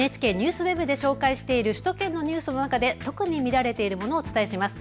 ＮＨＫＮＥＷＳＷＥＢで紹介している首都圏のニュースの中で特に見られているものをお伝えします。